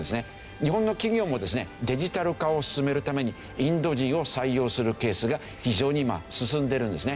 日本の企業もですねデジタル化を進めるためにインド人を採用するケースが非常に進んでるんですね。